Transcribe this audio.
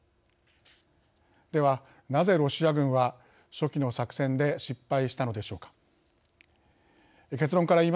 では、なぜロシア軍は初期の作戦で失敗したのでしょうか。